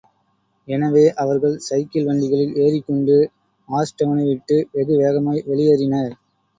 எனவே அவர்கள் சைக்கிள் வண்டிகளில் ஏறிக்கொண்டு ஆஷ்டவுனை விட்டு வெகு வேகமாய் வெளியேறினர்.